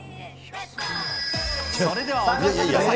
それではお書きください。